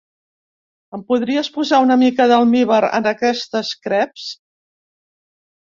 Em podries posar una mica d'almívar en aquestes creps?